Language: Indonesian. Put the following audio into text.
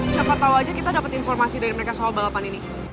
siapa tahu aja kita dapat informasi dari mereka soal balapan ini